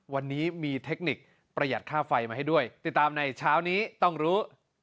วันนี้มีเทคนิคประหยัดค่าไฟมาให้ด้วยติดตามในเช้านี้ต้องรู้